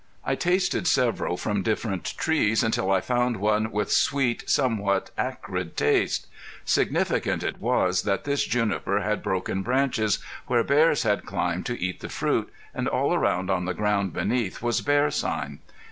I tasted several from different trees, until I found one with sweet, somewhat acrid taste. Significant it was that this juniper had broken branches where bears had climbed to eat the fruit, and all around on the ground beneath was bear sign.